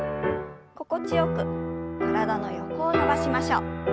心地よく体の横を伸ばしましょう。